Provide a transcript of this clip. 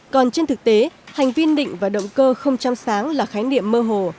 còn trên thực tế hành vi nịnh và động cơ không chăm sáng là khái niệm mơ hồ